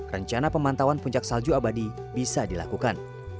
rencana pemantauan puncak salju abadi bisa dilakukan